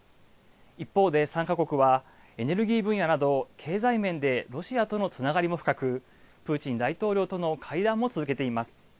一方で、３か国はエネルギー分野など経済面でロシアとのつながりも深く、プーチン大統領との会談も続けています。